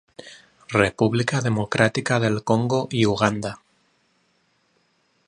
República Democràtica del Congo i Uganda.